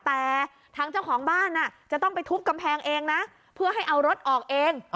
แต่ทางเจ้าของบ้านจะต้องไปทุบกำแพงเองนะเพื่อให้เอารถออกเอง